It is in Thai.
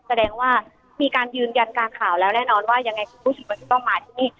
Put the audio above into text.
แสดงว่ามีการยืนยันกลางข่าวแล้วแน่นอนว่ายังไงคุณผู้ชมก็จะต้องมาที่นี่